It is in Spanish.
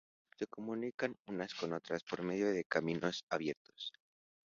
Se comunican unas con otras por medio de caminos abiertos.